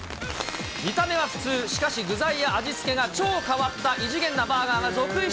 見た目は普通、しかし、具材や味付けが超変わった異次元なバーガーが続出。